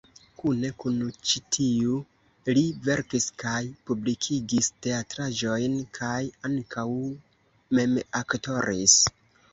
Kune kun ĉi tiu li verkis kaj publikigis teatraĵojn kaj ankaŭ mem aktoris.